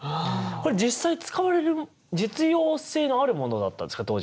これ実際使われる実用性のあるものだったんですか当時は。